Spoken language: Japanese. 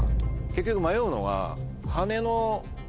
結局迷うのは。